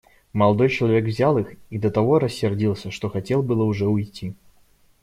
Молодой человек взял их и до того рассердился, что хотел было уже уйти.